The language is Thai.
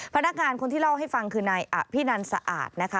พนักงานคนที่เล่าให้ฟังคือนายอภินันสะอาดนะคะ